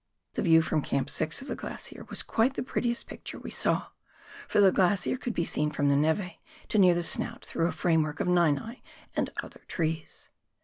The view from Camp 6 of the glacier was quite the prettiest picture we saw, for the glacier could be seen from the neve to near the snout through a framework of nei nei and other trees.